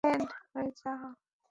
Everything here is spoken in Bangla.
হয়ে যা, গাঙু।